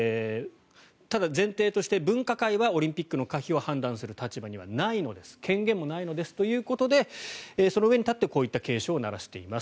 ただ、前提として分科会はオリンピックの可否を判断する立場にはないのです権限もないのですということでその上に立ってこういう警鐘を鳴らしています。